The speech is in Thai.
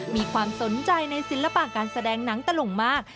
มีความสนใจในศิลปะการแสดงหนังตลุงมาก